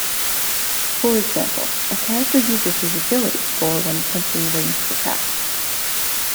For example, a character uses his Agility score when attempting ranged attacks.